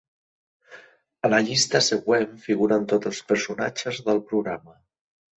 A la llista següent figuren tots els personatges del programa.